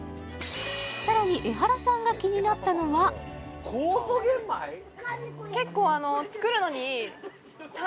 さらにエハラさんが気になったのはうわ